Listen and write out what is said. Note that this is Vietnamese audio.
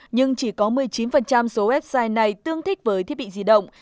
nhưng chỉ có một mươi chín số website này tương thích với thiết bị di động